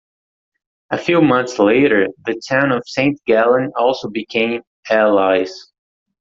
A few months later the town of Saint Gallen also became allies.